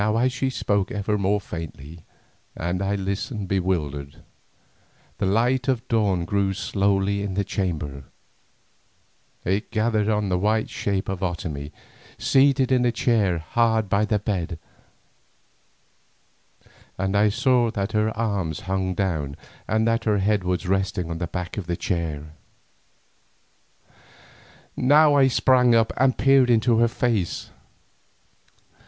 Now as she spoke ever more faintly, and I listened bewildered, the light of dawn grew slowly in the chamber. It gathered on the white shape of Otomie seated in a chair hard by the bed, and I saw that her arms hung down and that her head was resting on the back of the chair. Now I sprang up and peered into her face.